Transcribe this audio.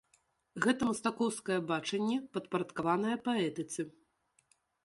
Гэта мастакоўскае бачанне, падпарадкаванае паэтыцы.